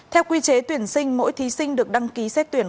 theo quy chế tuyển sinh mỗi thí sinh được đăng ký xét tuyển